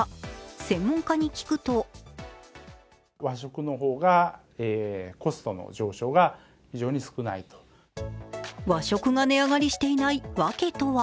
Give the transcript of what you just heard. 専門家に聞くと和食が値上がりしていない訳とは。